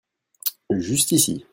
Juste ici.